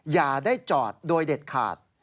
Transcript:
อย่าได้จอดโดยเด็ดขาด